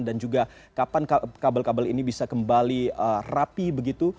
dan juga kapan kabel kabel ini bisa kembali rapi begitu